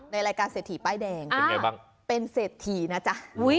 ในรายการเศรษฐีป้ายแดงเป็นเศรษฐีนะจ้ะ